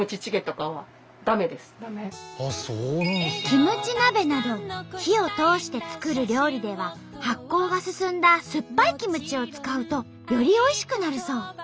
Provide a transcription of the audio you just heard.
キムチ鍋など火を通して作る料理では発酵が進んだすっぱいキムチを使うとよりおいしくなるそう。